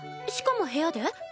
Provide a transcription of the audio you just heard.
しかも部屋で？